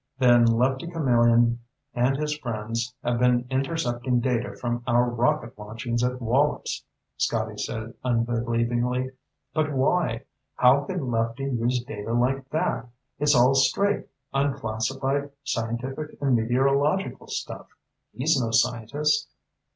"Then Lefty Camillion and his friends have been intercepting data from our rocket launchings at Wallops," Scotty said unbelievingly. "But why? How could Lefty use data like that? It's all straight, unclassified scientific and meteorological stuff. He's no scientist."